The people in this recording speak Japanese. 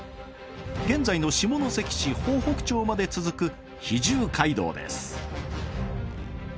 現在の下関市豊北町まで続く肥中街道です。